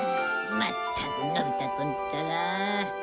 まったくのび太くんったら。